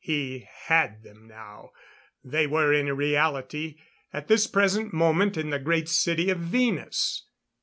He had them now; they were, in reality, at this present moment in the Great City of Venus.